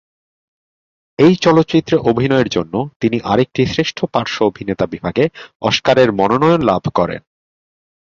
এই চলচ্চিত্রে অভিনয়ের জন্য তিনি আরেকটি শ্রেষ্ঠ পার্শ্ব অভিনেতা বিভাগে অস্কারের মনোনয়ন লাভ করেন।